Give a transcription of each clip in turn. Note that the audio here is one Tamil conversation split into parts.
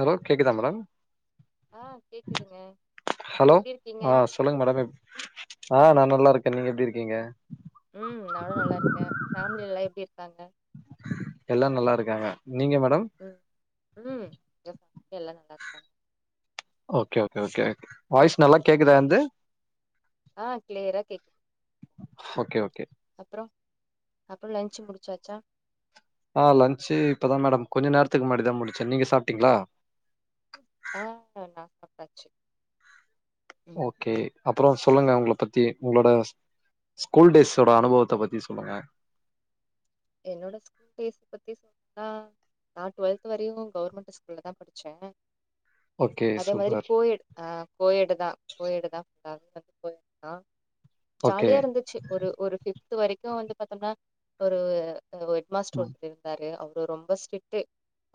ஹலோ கேக்குதா மேடம் ஆங் கேக்குதுங்க ஹலோ எப்டி இருக்கீங்க ஆ சொல்லுங்க மேடம் எப் ஆங் நா நல்லா இருக்கே நீங்க எப்புடி இருக்கீங்க ம் நானு நல்லா இருக்கே ஃபேமிலி எல்லா எப்டி இருக்காங்க எல்லா நல்லா இருக்காங்க நீங்க மேடம் ம் ம் எல்லா நல்லா இருக்காங்க ஓகே ஓகே ஒகே அப்றோ வாய்ஸ் நல்லா கேக்குதா என்து ஆ கிளியர்ரா கேக் ஓகே ஓகே அப்புறோ அப்புறோ லன்ச்சு முடிச்சாச்சா ஆ லன்ச்சு இப்போதா மேடம் கொஞ்ச நேரத்துக்கு முன்னாடி தா முடிச்சன் நீங்க சாப்ட்டீங்ளா ஆ நா சாப்ட்டாச்சு ம் ஓகே அப்பறோ சொல்லுங்க உங்ள பத்தி உங்ளோடஸா ஸ்கூல் டேஸ்ஸோட அனுபவத்த பத்தி சொல்லுங்க என்னோட ஸ் டேஸ் பத்தி சொ னா நா டுவெல்த் வரையு கவ்ர்மெண்ட்டு ஸ்கூல்ல தா படிச்சே ஓகே அதே மாரி சூப்பர் கோயெட் ஆ கோயெடுதா கோயெடுதா [inaudible] ஓகே ஜாலியா இருந்துச்சு ஒரு ஒரு ஃபிப்து வரைக்கு வந்து பாத்தோம்னா ஒருஎ ஒ ஹெட் மாஸ்ட் ம் ஒருத்திவ் தாரு அவ்ரு ரொம்ப ஸ்டிட்டு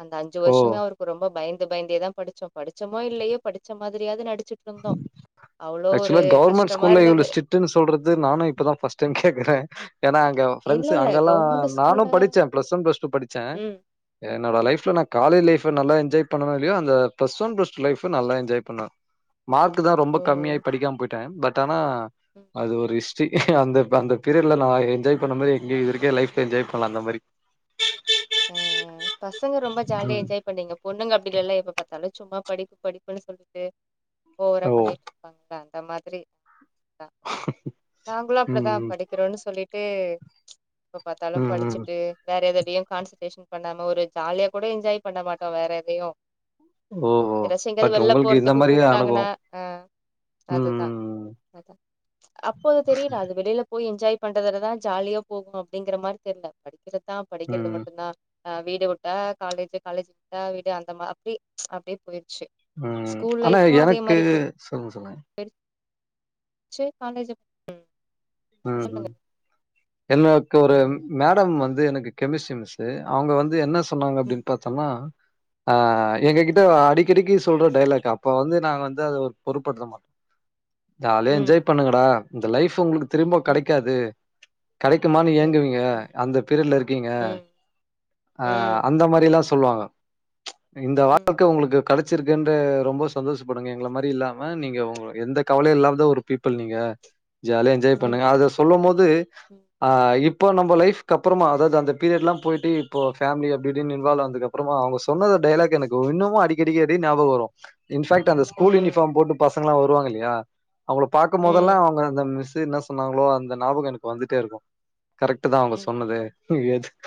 அந்த அஞ்சு ஓ வருஷமே அவ்ர் ரொம்ப பயந்து பயந்தேதா படிச்சோ படிச்சமோ இல்லெயே படிச்ச மாதிரியாது நடிச்சிட்ருந்தோ அவ்ளோ ஒரு கஷ்டமா இருந்தது ட்டுன் சொல்றது நானு இப்பதா ஃபஸ்ட் டைம் கேக்குறே ஏன்னா அங்கவ் இல்ல ஃப்ரெண்ஸு இல்ல அங்கல்லா கவர்மெண்ட் நானு ஸ்கூல்ல படிச்சே ப்ளஸ் வன் ப்ளஸ் டூ படிச்சே ம் என்னோட ம் லைப்ஃல நா காலே லைஃப் பு நல்லா என்ஜாய் பண்னனோ இல்யோ அந்த plus one plus two life நல்லா என்ஜாய் பண்ண மார்க்கு தா ரொம் ஓ கம்மியாய் படிக்காம போய்ட்டே பட் ஆனா ம் அது ஒரு ஹிஸ்ட்ரி அந்தப் அந்த பீரிட்ல நா என்ஜாய் சொன்ன மாரி எங்க இதுருக்கே லைஃப்ல என்ஜாய் பண்லா அந்த மாரி ஆஆ பசங்க ரொம்ப ஜாலியா ம். என்ஜாய் பண்ணிங்கப் பொண்ணுங்க அப்டில்லல்லே எப்ப பாத்தாலு ச்சும்மா படிப்பு படிப்புன்னு சொல்லிட்டு ஓவ்ரா ஓ! பண்ணிட் பாங்க அந்த மாத்ரி நா நாங்களு ம், அப்படிதா ம். படிக்கறோன்னு சொல்லிட்டு எப்ப பாத்தாலும் ம், ம். படிச்சிட்டு வேற எதுலியும் கான்சற்ட்ரேஷன் பண்ணாம ஒரு ஜாலியா கூட என்ஜாய் பண்ண மாட்டோ வேற் எதையு ஓஹோ! ரெஸ்ஸு எங்காது பட் வெள்ல உங்களுக்கு இந்த போறத்துக்கு மாரியே கூப்ட்டாங்கன்னா அனுபவம். அ அதுதா ம், அ பு அப்போ தெரில அது வெளிலப் போய் என்ஜாய் பண்றதுலதா ஜாலியா போகு அப்டிங்கற மாரி தெர்ல படிக்கிறதா ம், படிக்கிற்து ம், மட் நார் அ வீடு வுட்டா காலேஜு காலேஜ் விட்டா வீடு அந்த மா அப்டி அப்ட்யே போய்ர்ச்சு ம் ஆனா எனக்கு சொல்லுங் சொல்லய் தெரி ச்சே காலேஜப் ம் ம் ஹும் எல்லாக்கு ஒரெம் ம் மேடம் வந்து எனக்கு கெமிஸ்ரி மிஸ்ஸு அவ்ங்க வந்து என்ன சொன்னாங்க ம் அப்டின் பாத்தோன்னா ஆ ம் எங்க கிட்ட அடிக்கடிக்கி சொல்ற டைலாக் அப்போ வந்து நா வந்து அது ஒர் பொருப்பர்த்த மா ஜாலியா ம் என்ஜாய் பண்ணுங்கடா இந்த லைஃப் உங்களுக் திரும்ப ம் கடைக்காது கடைக்குமான்னு ஏங்குவீங்க எஸ் ம் அந்த பீரியட்ல இர்க்கீங்க ம் அ ம் அந்த மாரில்லா சொல்வாங்க இந்த ம் வாழ்க்க உங்ளுக்கு கடச்சிருக்குன்ற ரொம்ப சந்தோசப்படுங்க எங்கள மாரி இல்லாம நீங்க உங்ள எந்த கவலையு இல்லாவ்த ஒரு பீப்புள் நீங்க ஜாலியா என்ஜாய் ம் பண்ணுங்க அத சொல்லும் போது ஆ இப் ப்போ ம் நம்ம லைஃப் கப்பறமா அதாவ்து அந்த பீரியட்லா போய்ட்டி இப்போ ஃபேமிலி அப்டிஇப்டின் இன்வால் ஆனாதுக்கப் ப்புறுமா அவ்ங்க சொன்னது டைலாக் எனக்கு உஇன்னமும் அடிக்கடிக்க அதே ஞாபகோ வரு இன்ஃபேக்ட் அந்த ஸ்கூல் ம் யூனிஃபாம் போட்டு பசங்கல்லா வருவாங் இல்லியா அவங்கள பாக்கும்போதெல்லா ம் அவங்க அந்த மிஸ் தி நஸ் சொன்னாங்களோ அந்த நாபக எனக்கு வந்துட்டே இருக்கு கரக்ட்டுதா அவங்க ம் சொன்னதே ஹு எதுக்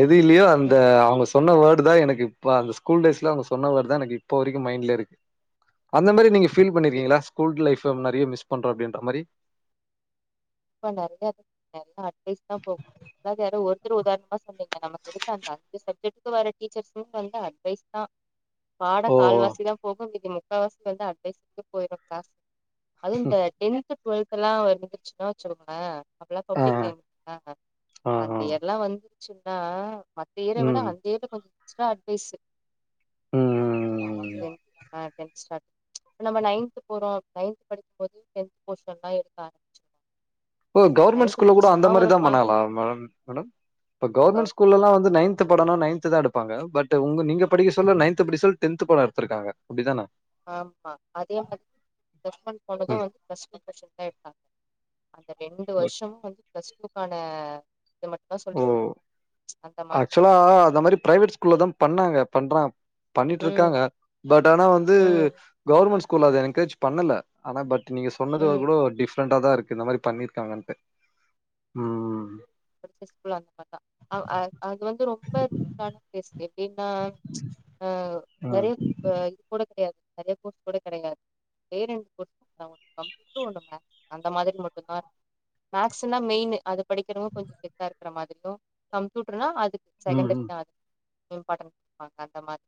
எது இல்யோ அந்த ம் அவ்ங்கஸ் சொன்ன வேடு தா எனக்கு இப்ப அந்த ஸகூல் டேஸ்ல அவ்ங்க சொன்ன வேட் தா எனக்கு இப்போ வரைக்கு மைண்ட்லே இருக் அந்த மாரி நீங்க ஃபீல் பன்னிருக்கீங்களா ஸ்கூல்ட் லைஃப்ஃப நறிய மிஸ் பண்றோ அப்டின்ற மாரி இப்ப நிறைய நல்லா அட்வைஸ் தான் போகும் அதாவது யாரோ ஒருத்தர் உதாரணமா சொன்னீங்க நமக்கு எடுத்த அந்த அஞ்சு சப்ஜெக்ட்க்கும் வர டீச்சர்ஸ் வந்து பண்ண அட்வைஸ் தான் ஓ பாடம் கால்வாசிதான் போகும் மீதி முக்கா வாசி வந்து அட்வைஸுக்கு போயிரும் கிளாசு அதுவும் இந்த டென்து டுவெல்த்தெல்லாம் வந்துருச்சுன்னா வச்சுக்கங்களேன் அப்பலாம் ஆ பப்ளீக் டைம் ஆ அந்த ஆ இயர்லாம் வந்துச்சுன்னா மத்த ம் இயரவிட ம் டேட்டு கொஞ்சம் இருந்துச்சுனா அட்வைஸு ம் ம். டென்த் ஆ டென்த் ஸ்டண்டர்டு இப்ப நம்ம நைன்த்து போறோம் நைன்த்து படிக்கும்போது டென்த்து போஷன்லாம் எடுத்தாங்க ஓ கவர்மெண்ட் ஸ்கூல்ல கூட அந்த சும்மா மாரி ஒரு தான் பண்ணாங்ளா ஃபார்மாலிட்டி மேம் மேடம் அப்ப கவர்மெண்ட் ஸ்கூல்லல்லாம் வந்து நைன்த் பாடம்னா நைன்த்துதான் எடுப்பாங்க பட் உங்க நீங்க படிக்க சொல்ல நைன்து படிக்கச்சில டென்த் பாடம் எடுத்திருக்காங்க அப்டிதான ஆமா அதே மாதிரி ப்ளஸ் ஒன் ம். போனதும் ப்ளஸ் டூ போர்சன் தா எடுத்தாங்க அந்த ரெண்டு வருஷமும் வந்து ப்ளஸ்டூக்கான இத மட்டும் சொல்லி குடுத் அந்த மாத்த இப்பலா அந்த மாதிரி பிரைவேட் ஸ்கூல்ல தான் பண்ணாங்க பண்றா பண்ணிட்டு ம் இருக்காங்க பட் ஆனா வந்து ம் கவர்மெண்ட் ஸ்கூல் அதை எங்க்ரேஜ் பண்ணல ஆனா பட் நீங்க சொன்னதுல ம் கூட டிஃப்ரெண்டா தான் இருக்கு இந்த மாரி பண்ணி கவர்மெண்ட் உம் [unintelligible] ஸ்கூல்ல அந்த மாதிரி தா அது வந்து ரொம்ப ர பீஸ் எப்டினா அ ம். நெறயா டையிரி கூட கிடையாது நிறைய கோர்ஸ் கூட கிடையாது வேற என்ன கோர்ஸ் குடுத்தாங்க கம்யூட்டர் இந்த மேக்ஸ் அந்த மாதிரி மட்டும் தான் மேக்ஸ் தான் மெயினு அது படிக்கிறவங்க கொஞ்சம் கெத்தா இருக்குற மாதிரியும் கம்ப்யூட்டர்னா அதுக்கு ம். செகண்டரி ம். தான் அது இம்பார்டன் குடுப்பாங்க அந்த மாதிரி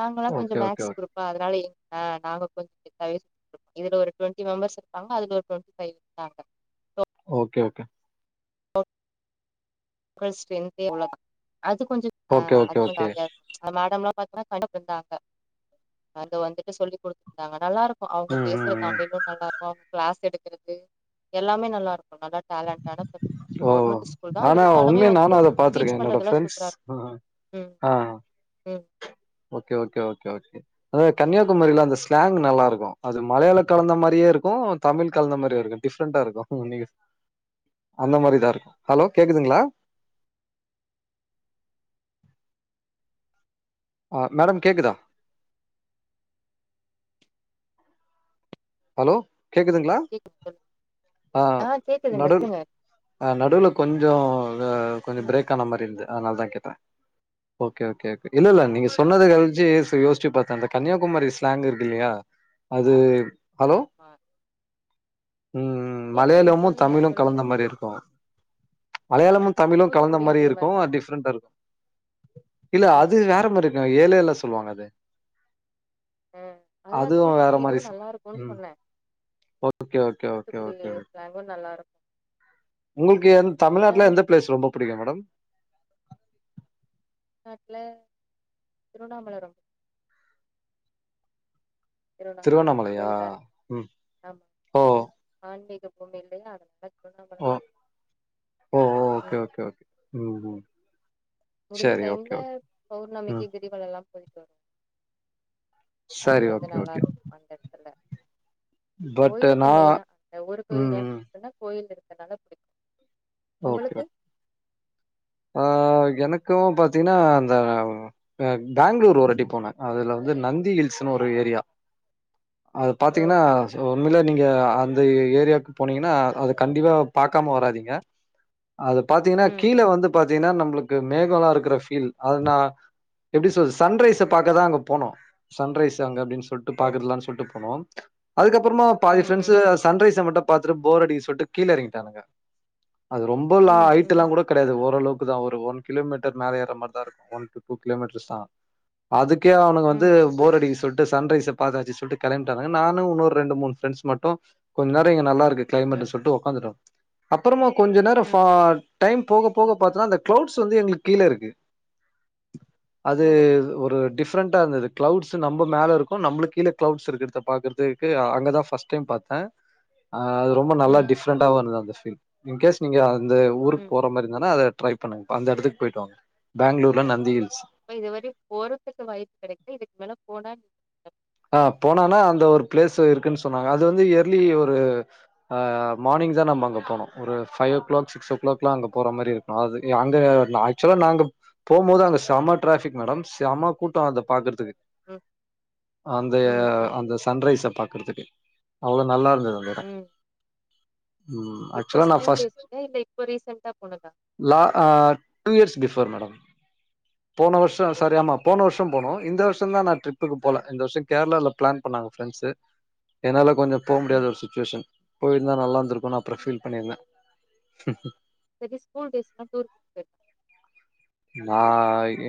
நாங்களாம் ஓகே, கொஞ்சம் ஓகே, மேக்ஸ் ஓகே. குரூப்பு அப்ப அதனால ஆ நாங்க கொஞ்சம் த இதுல ஒரு ட்வென்டி மெம்பர்ஸ் இருப்பாங்க அதுல ஒரு ட்வெண்டி ஃபைவ் இருக்காங்க ஓகே ஓகே [unintelligible] அது கொஞ்சம் ஆ ஓகே, அது ஓகே, கொஞ்சம் ஓகே. அழையா அந்த மேடம் எல்லாம் பாத்தன்னா கண்டு இருந்தாங்க அங்க வந்துட்டு சொல்லி குடுத்துருந்தாங்க நல்லா இருக்கும் அவுங்க ம், பேசுற ம், ம். தமிழும் நல்லா இருக்கும் அவுங்க கிளாஸ் எடுக்குறது எல்லாமே நல்லா இருக்கும் நல்லா டேலண்டான ஓ கவர்மெண்ட் ஸ்கூல் தான் ஆனா இருந்து பாடமே உண்மையா வந்து நானு அத டீச் பாத்திருக்கே என்னோட பண்றதெல்லாம் ஃப்ரெண்ட்ஸ் சூப்பராக இருக்கும் ம் ஆ ம் ஓகே ஓகே ஓகே ஓகே அதாங்க கன்னியாகுமரியில அந்த ஸ்லாங் நல்லா இருக்கும் அது மலையாளம் கலந்த மாதிரியே இருக்கும் தமிழ் கலந்த மாதிரியே இருக்கும் டிஃப்ரண்டா இருக்கும் [inaudible] அந்த மாதிரிதான் இருக்கும் ஹலோ கேக்குதுங்களா ஆ மேடம் கேக்குதா ஹலோ கேக்குதுங்களா கேக்குது சொல்லுங்க. ஆ கேக்குதுங்க நடு சொல்லுங்க ஆ நடுவுல கொஞ்சம் இது கொஞ்சம் ம் பிரேக் ஆன மாதிரி இருந்தது அதனால தான் கேட்டேன் ஓகே ஓகே ஓகே இல்ல இல்ல நீங்க சொன்னத கழிச்சு யோசிச்சு பார்த்த இந்த கன்னியாகுமரி ஸ்லாங் இருக்கு இல்லையா அது ஹலோ ஆமா உம் உம் கேக்குதுங்க மலையாளமும் சொல்லுங்க தமிழும் சொல்லுங்க கலந்த மாதிரி இருக்கும் மலையாளமும் ஆமா தமிழும் கலந்த தூத்துக்குடியும் மாதிரி அதே இருக்கும் மாரிதான் டிஃப்ரெண்டா இருக்கும் இல்ல அது ம் வேற மாதிரிங்க ஏலேல்லா சொல்லுவாங்க அது ம் அதுதா அதுவு வேற தூத்துக்குடி மாரி இதுவு ஸ் நல்லாருக்குன் ம் சொன்னே okay okay okay Thoothukudi okay slang நல்லாருக்கு உங்ளுக்கு எந் தமிழ்நாட்ல எந்த பிளேஸ் ரொம்ப புடிக்கு மேடம் நாட்ல திருவண்ணாமல ரொம்ப திருவண்ணாமல திருவண்ணாமலையா கோயிலாறு ம் ஆமா ஓ ஆ ஆன்மீக பூமி இல்லயா அதனால ஓ திருவண்ணாமலைனா ஓ ஓகே ம் ஓகே ஓகே ம் ம் முடிஞ்ச சரி டைம்ல ஓகே ஓகே பௌர்ணமிக்கு ம் கிரிவலோல்லா போய்ட்டு வருவோ அது சரி வந்து ஓகே ஓகே நல்லாருக்கு அந்த எட்த்துல பட் கோயிலுக்கு நா மெய்னா அந்த ஊருக்கு ம் ஏ ம் போறனா கோயில் இருக்கனால புடிக்கு ஓகே உங்களுக்கு ஆ எனக்கு பாத்தீங்கன்னா அந்த பெங்களூர் ஒரு வாட்டி போனே அதுல வந்து நந்தி ஹில்ஸ்னு ஒரு ஏரியா அது ஓ பாத்திங்கன்னா உண்மையிலே நீங்க அந்த ஏரியாக்கு போனீங்கன்னா அத கண்டிப்பா பாக்காம வராதிங்க அது பாத்தீங்கன்னா ம் கீழ ம் வந்து பாத்தீங்ன்னா நம்ளுக்கு மேகோல்லாருக்குற ஃபீல் அது நா எப்டி சொல்து சன் ரைஸ பாக்க தா அங்க போனோ சன்ரைஸ் அங்க அப்டின் சொல்ட் டு ஓ பாத்துர்லான் சொல்ட்டு போனோ அதுக்கப்றமா பாதி ம் ஃப்ரெண்ட்ஸு ம் ம் சன்ரைஸ மட்டு பாத்துட்டு போர் அடிக்கு சொல்ட்டு கீழ எறங்கிட்டானுங்க அது ரொம்ப லா ம், ம், ஐட்டெல்லா கூட கெடயாது ஓ ரளவுக்கு தா ஒரு ஒன் கிலோமீட்டர் மேல ஏற மார்தாருக்கு ஒன் டூ டூ கிலோமீட்டர்ஸ் தா அதுக்கே அவனுங்க வந்து ம், ம், போரடிக்கிது சொல்ட்டு சன் ரைஸ பாத்தாச்சு சொல்ட்டு கெளம்பிட்டானுங்க நானு உன்னொரு ரெண்டு மூனு ஃப்ரண்ட்ஸ் மட்டு கொஞ்நேரொ இங்க நல்லாரு இங்க கிளைமேட் ம், சொல்ட்டு ஒக்காந்துட்டோ அப்றமா கொஞ்ச நேரோ ஃபா ம். டைம் போக போக பாத்துனா அந்த க்ளௌட்ஸ் வந்து எங்ளுக்கு கீழருக்கு அது ஓ! ஒரு டிஃப்ரென்ட்டாருந்தது க்ளௌட்ஸ்ஸு நம்ப மேலருக்கு நம்ளுக் கீழ க்ளௌட்ஸ் இருக்றத பாக்கற்துக்கு அங்கதா ஃபஸ்ட் டைம் பாத்தே ஆ அது ரொம்ப நல்லா ம், டிஃப்ரென்ட்டாவு இருந்தது அந்த ஃபீல் இன்கேஸ் நீங்க அந்த ஊருக்கு ம். போற மாரி வேணா அத ட்ரை பண்ணுங்பா அந்த எடத்துக் போய்ட்டு வாங்க பெங்ளூர்ல நந்தி ஹில்ஸ் இப்ப இதுவரையு போறதுக்கு வாய்ப்புக் கெடைக்ல இதுக்கு மேல போனா நீங்க ஆ போனானா அந்த ஒரு பிளேஸ் இருக்குன் சொன்னாங்க அது வந்து எர்லி ஒரு ஆ மார்னிங்ஸ்ஸா தா நம்ம அங்க போனு ஒரு ஃபைவ் ஓ க்ளாக்ஸ் சிக்ஸ் ஓ கிளாக்லா அங்க போற மாரி இருக்கு அது அங்க ஆக்சுவ்லா நாங்க போம்போது அங்க செம்ம டிராஃபிக் மேடம் செம்ம கூட்டோ அத பாக்கற்துக்கு ம் அந்த ம், ம், அந்த சன் ரைஸ பாக்கற்துக்கு அவ்ளோ நல்லா இருந்தது ம். ம் எப்ப ஆக்சுவலா நா ஸ்கூல் ஃபஸ்ட் டேஸ்லயா இல்ல இப்ப ரீசென்ட்டா போனதா லா ஆ டூ இயர்ஸ் பிஃபோர் மேடம் போன வர்ஷோ ஓ! சாரி ஆமா போன வர்ஷோ போனோ இந்த வர்ஷோ தா நா ட்ரிப்புக்கு போல இந்த வர்ஷோ கேர்ளால பிளான் பண்ணாங்க ஃப்ரெண்ட்ஸு என்னால கொஞ்சோ போ முடியாத ம், ஒரு சுச்வேஷன் போய்ருந்தா நல்லாருந்துருக்குன் அப்றோ ம். ஃபீல் பண்ணிருந்தே ம்ஹ் செரி ஸ்கூல் டேஸ் டூர் நா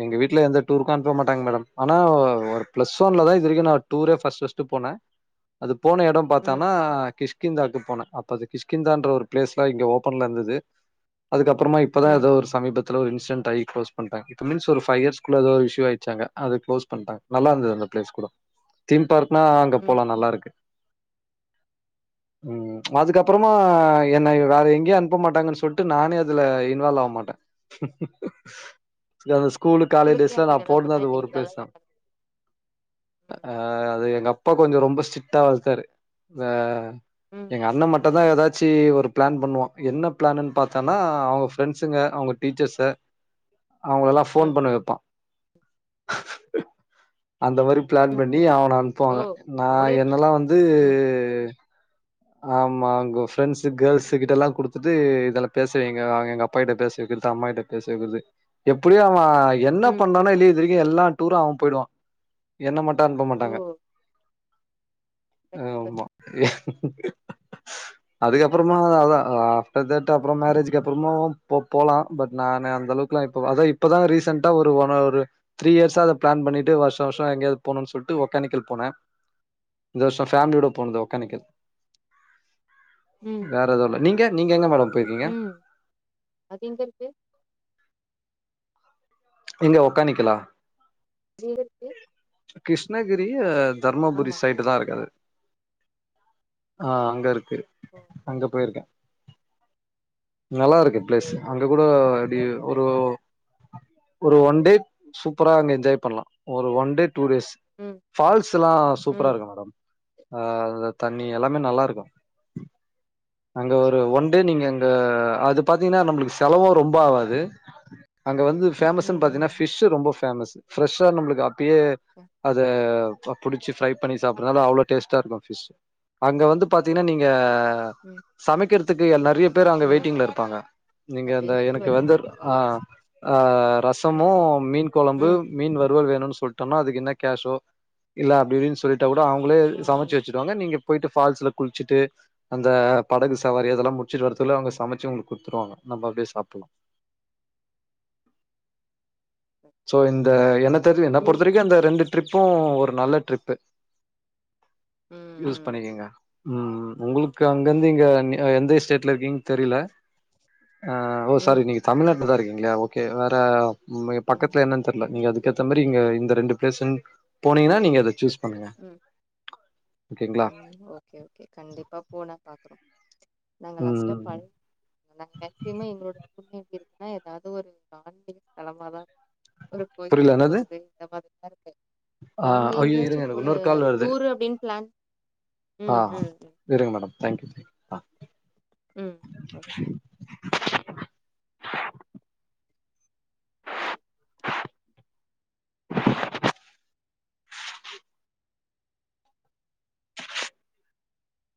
எங்க வீட்ல எந்த டூ ருக்கு அனுப்ப மாட்டாங்க மேடம் ஆனா ஒரு பிளஸ் ஒன்ல ம், தா இது வரைக்கு நா டூ ரே ஃபஸ்ட் ஃபஸ்ட்டு போனே அது போன எடோ ம், பாத்தனா கிஷ் கிந்தாக்கு போனே அப்ப அது கிஷ்கிந்தான்ற ஒரு பிளேஸ் தா இங்க ஓப்பன்லருந்தது அதுக்கப்றமா இப்பதா எதோ ம், ஒரு சமீபத்துல ஒரு இன்ஸ்ஸிடன்ட் ஆயி க்ளோஸ் பண்டாங்க இட் மீன்ஸ் ஒரு பைவ் இயர்ஸ்குள்ள ஏதோ ஒரு இஷு ஆயிடுச்சு அங்க அத க்ளோஸ் பண்டாங்க நல்லா இருந்தது அந்த ப்ளேஸ் கூடோ தீம் பார்க்னா அங்க ம். போலா நல்லா இருக்கு ம் அதுக்கப்றமா என்ன வேற எங்கயு அனுப்ப மாட்டாங்கன் சொல்டு நானே இதுல இன்வால்வ் ஆவ மாட்டே அந்த ஸ்கூலு காலேஜ் உங்களுக்கே டேஸ்ல அந்த நா போனது நிலைமைன்னா அந்த ஒரு எங்களால பிளேஸ் தா இருக்காது. ம், ஆ அது எங்க அப்பா கொஞ்சோ ரொம்ப ஸ்ட்ரிட்டா வளத்தாரு ஆ ம், எங்க அண்ண மட்டுதா எதாச்சி ஒரு பிளான் பண்ணுவா என்ன பிளான்னு பாத்தன்னா ம், அவூங்க ஃப்ரெண்ட்ஸ் ஃப்ரெண்ட்ஸ்ங்க அவுங்க டீச்சர்ஸ அவுங்களல்லா ஃபோன் ம், பண்ண வெப்பா அந்த மாரி பிளான் ம், பண்ணி ம். அவன ஓ! அனுப்புவாங்க நா அவளே என்னல்லா வந்து ம், ஆமாங்கோ ஃப்ரெண்ட்ஸ் கேள்ஸூ கிட்டல்லா குடுத்துட்டு இதல்ல பேச வெயிங்க அவுங்க எங்க அப்பா கிட்ட பேச வெக்கிறது அம்மா கிட்ட பேச வெக்கிறது எப்டியு அவே என்ன ம், ம். பண்றானோ இல்லையே இதுவரைக்கு எல்லா டூரு அவ போயிடுவா என்ன மாட்டு அனுப்ப மாட்டாங்க ஓ! ஆமா அதுக்கப்பறமா அதா ஆப்டர் தட் அப்றோ மேரேஜிக்கு அப்புறமாவு போ போலா பட் நானு அந்த அளவுக் இப்பல்ல இப்ப அத இப்பதா ரீசண்டா ஒரு ஓன்னவரு த்ரீ இயர்ஸா அத பிளான் பண்ணிட்டு வர்ஷா வர்ஷோ எங்கயாது போணுன்னு சொல்டு ஒகேனக்கல் போன இந்த வருஷோ ஃபேமிலியோட போனது ம், ஒக்கேனக்கல் ம், வேற எதுவு இல்ல நீங்க நீங்க எங்க மேடம் போயிருக்கீங்க ம் அது எங்க இருக்கு எங்க ஒக்கானிக்கலா அது எங்க இருக்கு கிருஷ்ணகிரிய தருமபுரி ஆமா. சைட்டு தா இருக்கு அது ஆ அங்க இருக்கு அங்க போயிருக்கே நல்லா இருக்கு பிளேஸ்சு அங்க கூடோ அப்டி ஒரு ஒரு ஒன் டே சூப்பரா அங்க என்ஜாய் பண்லா ஒரு ஒன் டே டூ டேஸ் ம் ஃபால்ஸ்லா சூப்பரா ம் இருக்கு மேடம் ஆ அந்த தண்ணி ம் எல்லாமே நல்லா இருக்கும் [inaudible] அங்க ஒரு ஒன் டே நீங்க அங்க அது பாத்தீங்னா நம்பளுக்கு செலவு ரொம்ப ஆவாது அங்க வந்து ஃபேமஸ்சுன்னு பாத்தீங்கன்னா ம் ஃபிஷ்ஷு ரொம்ப ஃபேமஸ்சு ஃப்ரெஷ்ஷா நம்பளுக் அப்டியே அ அத புடிச்சி ஃப்ரை பண்ணி சாப்பட்றனால அவ்ளோ டேஸ்ட்டா இருக்கு ஃபிஷ் அங்கே வந்து பாத்தீங்கன்னா நீங்க ம் சமைக்கிறதுக்கு நெறைய பேர் அங்க ம் வெயிட்டிங்ல இருப்பாங்க நீங்க அப்ப அந்த எப்டி எனக்கு வரு வந்தர் ஆ ஆ ரசமு ம் மீன் கொழம்பு ம் மீன் வறுவல் வேணு சொல்டோனா அதுக் என்ன கேஷ்ஷோ இல்ல அப்டி இப்டின் சொல்டா கூடோ அவுங்களே ம் சமச்சு வெச் ம் வேச்சிடுவாங்க நீங்க போயிட்டு ஃபால்ஸ்ல குளிச்சிட்டு அந்த படகு சவாரி அதெல்லா முடிச்சுட்டு வரத்துகுள்ள அவுங்க சமைச்சு உங்ளுக் குடுத்துருவாங்க நம்ப அப்டியே சாப்புட்லா சரி சோ சரி இந்த என்ன தெரி என்ன பொறுத்த நீங்க வரைக்கு அந்த ரெண்டு ட்ரிப்பு ஒரு நல்ல ட்ரிப்பு ம் யூஸ் ம் பண்ணிக்கீங்க ம் உங்களுக்கு அங்கருந் ம் இங்க எந்த ஸ்டேட்ல இருக்கீங் தெரில ஆ ஓ சாரி ம் நீங்க தமிழ்நாட்டுல தா இருக்கீங்ளயா ஓகே வேற ம் மய பக்கத்துல என்னன்னு தெர்ல நீங்க அதுக்கேத்த மாரி நீங்க இந்த ரெண்டு பிளேஸ்சுன் போனீங்கன்னா நீங்க இத சூஸ் பண்ணுங்க ம் ஓகேங்களா ம் ஓகே ஓகே கண்டிப்பா போனா பாக்குறோ நாங்க லாஸ்டா ம் பண் நா மேக்சிம் எங்களோட சுத்தி எப்டி இருக்குன்னா எதாது ஒரு பாண்டிங் அளவாதா இருக்கு ஒரு கோயில்க் புரில என்னது போறது இந்த மாறிதா இருப்பே ஆ ஐயோ இருங்க எனக்கு இன்னொரு கால் வருது டூரு அப்டின்னு பிளான் ஆ ம் ம் செரிங்க மேடம் தேங்க்யூ ஆ ம் ம்